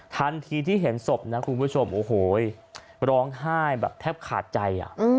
ทันทีที่เห็นศพนะคุณผู้ชมโอ้โหร้องไห้แบบแทบขาดใจ